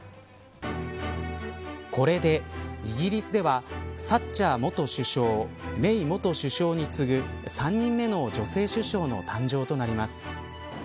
これでイギリスではサッチャー元首相メイ元首相に次ぐ３人目の女性首相の誕生となります。